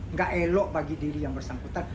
nggak elok bagi diri yang bersangkutan